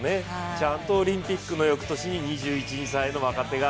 ちゃんとオリンピックの翌年に２１２２歳の若手が。